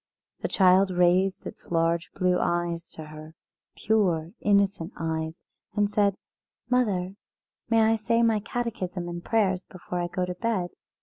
The child raised its large blue eyes to her, pure innocent eyes, and said: "Mother, may I say my Catechism and prayers before I go to bed?"